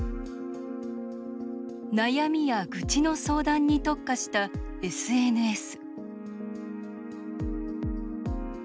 悩みや愚痴の相談に特化したＳＮＳ。